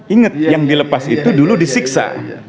ingat yang dilepas itu dulu disiksa